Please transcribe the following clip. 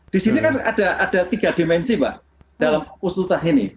di sini kan ada tiga dimensi pak dalam pustutah ini